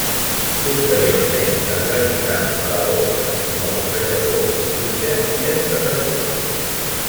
Posteriorment es dedicà a la boxa, com a boxejador, jutge i entrenador.